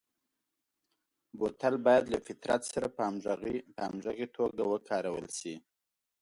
بوتل باید له فطرت سره په همغږي توګه وکارول شي.